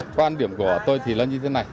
quan điểm của tôi thì là như thế này